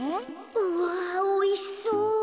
うわおいしそう。